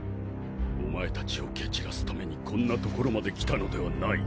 お前たちを蹴散らすためにこんなところまで来たのではない。